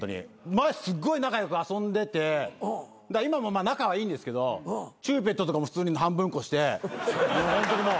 前すっごい仲良く遊んでて今も仲はいいんですけどチューペットとかも普通に半分こして。